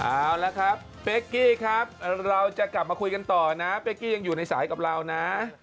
เอาละครับเป๊กกี้ครับเราจะกลับมาคุยกันต่อนะเป๊กกี้ยังอยู่ในสายกับเรานะ